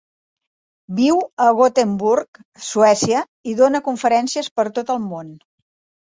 Viu a Gothenburg (Suècia) i dóna conferències per tot el món.